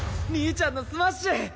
兄ちゃんのスマッシュ！